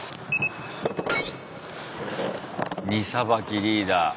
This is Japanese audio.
荷さばきリーダー。